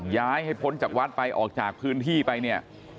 ย้ายให้พ้นจากวัดไปออกจากพื้นที่ไปเนี่ย